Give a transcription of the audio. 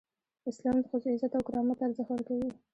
اسلام د ښځو عزت او کرامت ته ارزښت ورکوي.